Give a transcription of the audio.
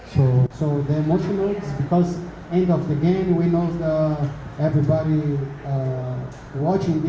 jadi emosi karena di akhir pertandingan kita tahu semua orang